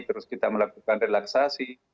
terus kita melakukan relaksasi